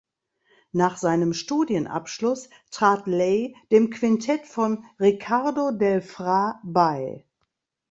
Nach seinem Studienabschluss trat Lay dem Quintett von Riccardo Del Fra bei.